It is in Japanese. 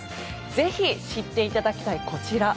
ぜひ、知っていただきたいこちら。